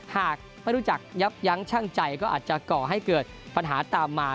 หากไม่รู้จักยับยั้งช่างใจก็อาจจะก่อให้เกิดปัญหาตามมา